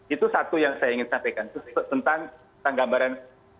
itu satu yang saya ingin sampaikan tentang gambaran